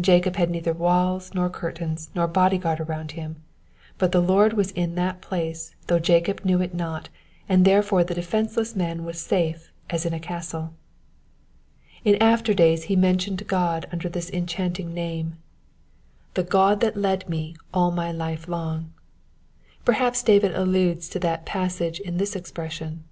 JacoD had neither walls, nor curtains, nor body guard around him ; but the Lord was in that place though Jacob knew it not, and therefore the defenceless man was safe as in a castle. In after days he mentioned God< under this enchanting Digitized by VjOOQIC 41G SXPOSITIOKS OF THE PSALICS. name—" The God that led me all my life long ": perhaps David alludefl to that passage in this expression.